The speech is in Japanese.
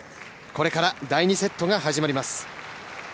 これから第２セットが始まります。